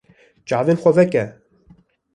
Çavên xwe veke.